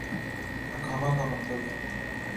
اقامہ کا مطلب ہے۔